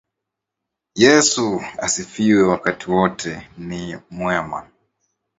Yesu asifiwe wakati wote yeye ni mwema